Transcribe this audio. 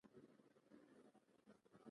هغه د خوښ شګوفه پر مهال د مینې خبرې وکړې.